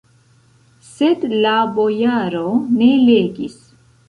Sed la bojaro ne legis.